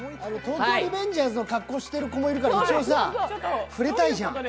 「東京リベンジャーズ」の格好してる子もいるから、一応さ、触れたいじゃん。